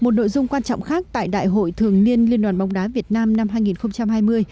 một nội dung quan trọng khác tại đại hội thường niên liên đoàn bóng đá việt nam năm hai nghìn hai mươi